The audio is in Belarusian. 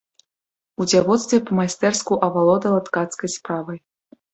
У дзявоцтве па-майстэрску авалодала ткацкай справай.